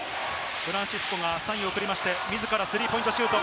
フランシスコがサインを送りまして、自らスリーポイントシュート。